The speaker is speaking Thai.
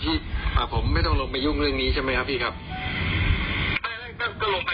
อย่าไปเลื่อนตามรับรูปันน่ะนะ